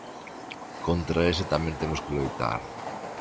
Contra ese tamén temos que loitar.